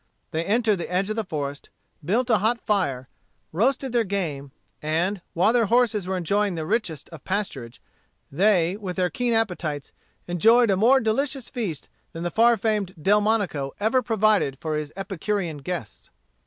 They entered the edge of the forest, built a hot fire, roasted their game, and, while their horses were enjoying the richest of pasturage, they, with their keen appetites, enjoyed a more delicious feast than far famed Delmonico ever provided for his epicurean guests.